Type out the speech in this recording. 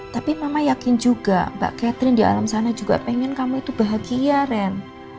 tapi mama yakin juga mbak catherine di alam sana juga pengen kamu itu bahagia ren